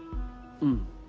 うん。